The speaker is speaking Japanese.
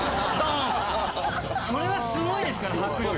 それはすごいですから迫力。